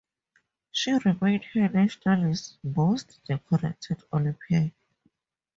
She remains her nation's most decorated Olympian.